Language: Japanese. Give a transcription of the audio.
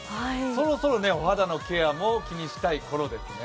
そろそろお肌のケアも気にしたいころですね。